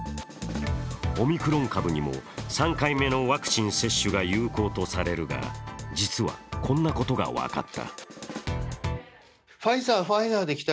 オミクロン株にも３回目のワクチン接種が有効とされるが実はこんなことが分かった。